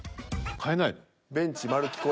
変えないの？